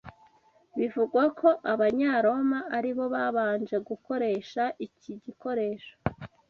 Bivugwa ko, Abanyaroma aribo babanje gukoresha iki gikoresho